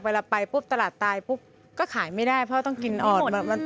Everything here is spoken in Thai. เวลาไปปุ๊บตลาดตายปุ๊บก็ขายไม่ได้เพราะต้องกินอ่อน